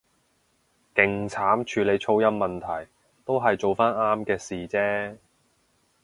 勁慘處理噪音問題，都係做返啱嘅事啫